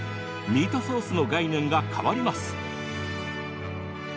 ミートソースの概念が変わります。